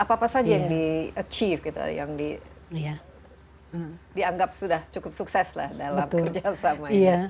apa saja yang dianggap sudah cukup sukses dalam kerja sama